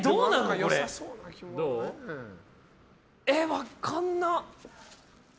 分かんな。